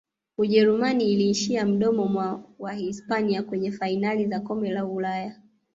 ujerumani iliishia mdomoni mwa wahispania kwenye fainali za kombe la ulaya